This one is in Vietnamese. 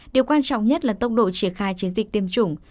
điều quan trọng nhất là tốc độ triển khai chiến dịch tiêm chủng